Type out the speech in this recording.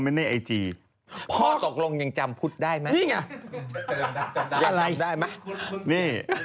วันนี้ไงยังจำได้อะไร